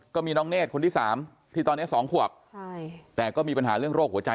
ก็มีน้องเนธคนที่สามที่ตอนนี้สองขวบใช่แต่ก็มีปัญหาเรื่องโรคหัวใจ